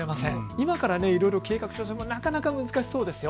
今からいろいろ計画するのはなかなか難しそうですよ。